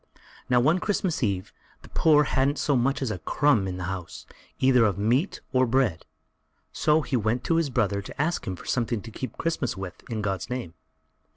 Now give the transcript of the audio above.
Now, one Christmas eve, the poor one hadn't so much as a crumb in the house, either of meat or bread, so he went to his brother to ask him for something to keep Christmas with, in God's name.